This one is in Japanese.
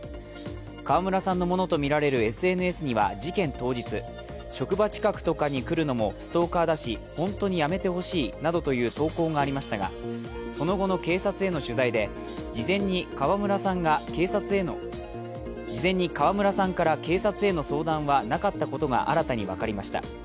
川村さんのものとみられるＳＮＳには事件当日職場近くとかにくるのもストーカーだし、本当にやめてほしいなどという投稿がありましたがその後の警察への取材で事前に川村さんから警察への相談はなかったことが新たに分かりました。